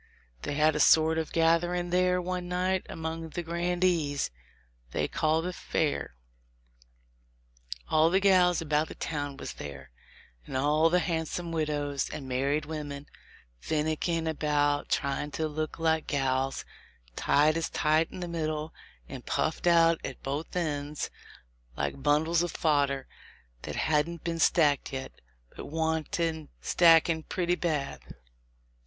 They had a sort of a gatherin' there one night among the grandees, they called a fair. All the gals about town was there, and all the handsome widows and married women, finickin' about trying to look like gals, tied as tight in the middle, and puffed out at both ends, like bundles of fodder that hadn't been stacked yet, but wanted stackin' pretty 238 THE LIFE 0F LINCOLN. bad.